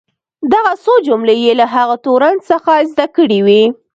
دغه څو جملې یې له هغه تورن څخه زده کړې وې.